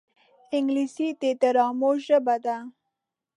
انګلیسي د ډرامو ژبه ده